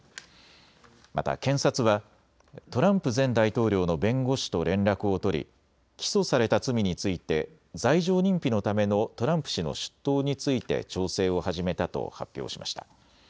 また検察は、トランプ前大統領の弁護士と連絡を取り起訴された罪について罪状認否のためのトランプ氏の出頭について調整を始めたと発表しました。